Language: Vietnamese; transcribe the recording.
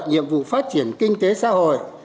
nhiệm vụ phát triển kinh tế xã hội